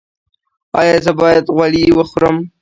ایا زه باید غوړي وخورم؟